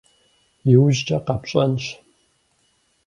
Иужькӏэ къэпщӏэнщ.